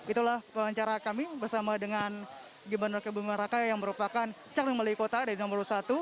itulah penguacara kami bersama dengan gibran rakyat bumrah rakyat yang merupakan cakling melayu kota dari nomor satu